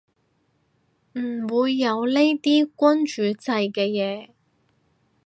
唔會有呢啲君主制嘅嘢